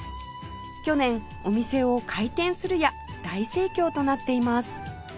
去年お店を開店するや大盛況となっています